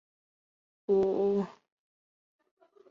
明时治今大名。